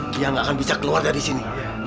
dia nggak akan bisa keluar dari sini